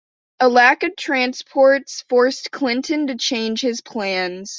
A lack of transports forced Clinton to change his plans.